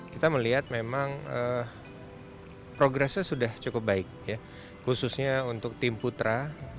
kita melihat memang progresnya sudah cukup baik khususnya untuk tim putra